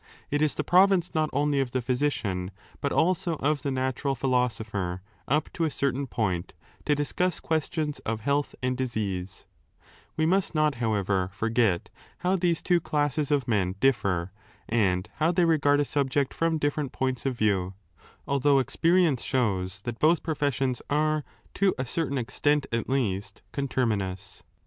It is the province not only of the physician, but also of the natural philosopher, up to a certain point,^ to discuss questions of health and disease. We must not, however, ^ Reading m^xP* tov for m^xP* red. 330 Aristotle's psychology d« mbfir. forget how these two classes of men differ and how they regard a subject from different points of view, although experience shows that both professions are, to a certain extent at least, conterminous.